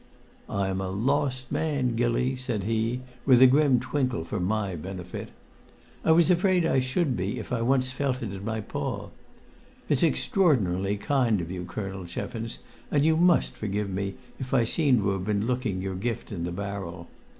"I'm a lost man, Gilly!" said he, with a grim twinkle for my benefit. "I was afraid I should be if I once felt it in my paw. It's extraordinarily kind of you, Colonel Cheffins, and you must forgive me if I seem to have been looking your gift in the barrel.